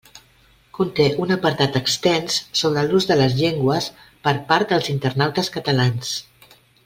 Conté un apartat extens sobre l'ús de les llengües per part dels internautes catalans.